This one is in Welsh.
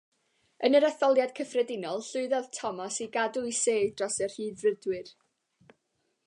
Yn yr etholiad cyffredinol llwyddodd Thomas i gadw'r sedd dros y Rhyddfrydwyr.